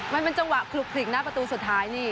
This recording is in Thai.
มันเป็นจังหวะคลุกคลิกหน้าประตูสุดท้ายนี่